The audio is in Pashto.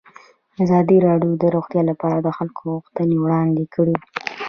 ازادي راډیو د روغتیا لپاره د خلکو غوښتنې وړاندې کړي.